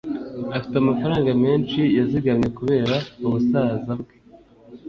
Afite amafaranga menshi yazigamye kubera ubusaza bwe.